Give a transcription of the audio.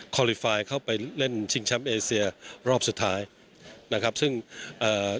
เข้าไปเล่นชิงชัมเอเซียรอบสุดท้ายนะครับซึ่งอ่า